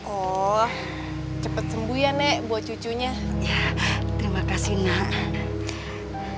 oh cepat sembuh ya nek buat cucunya ya terima kasih nak